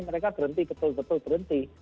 mereka berhenti betul betul berhenti